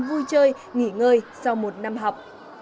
vui chơi nghỉ ngơi sau một năm học